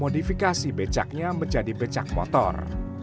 dikasih becaknya menjadi becak motor